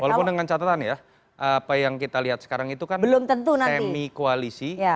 walaupun dengan catatan ya apa yang kita lihat sekarang itu kan belum tentu semi koalisi